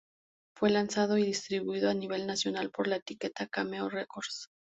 Fue lanzado y distribuido a nivel nacional por la etiqueta Cameo Records.